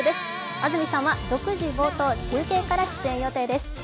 安住さんは６時冒頭、中継から出演予定です。